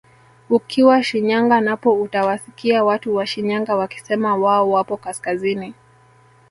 Ukiwa Shinyanga napo utawasikia watu wa Shinyanga wakisema wao wapo kaskazini